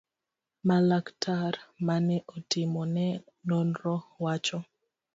ma laktar mane otimo ne nonro wacho